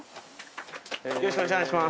よろしくお願いします。